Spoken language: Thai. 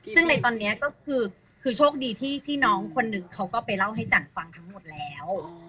ซึ่งในตอนนี้ก็คือโชคดีที่น้องคนนึงเขาก็ไปเล่าให้จันฟังทั้งหมดแล้ว